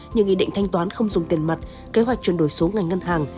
như nghị định thanh toán không dùng tiền mặt kế hoạch chuyển đổi số ngành ngân hàng